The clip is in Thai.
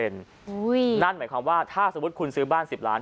นั่นหมายความว่าถ้าสมมุติคุณซื้อบ้าน๑๐ล้าน